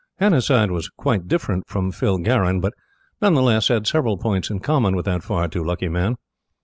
Hannasyde was quite different from Phil Garron, but, none the less, had several points in common with that far too lucky man.